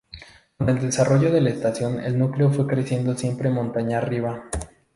Con el desarrollo de la estación el núcleo fue creciendo siempre montaña arriba.